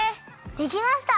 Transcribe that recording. できました！